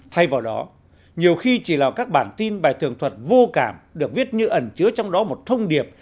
thay vào đó nhiều khi chỉ là các bản tin bài thường thuật vô cảm được viết như ẩn chứa trong đó một thông điệp